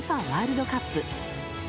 ワールドカップ。